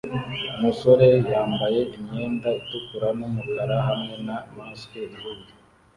Umusore yambaye imyenda itukura n'umukara hamwe na mask ihuye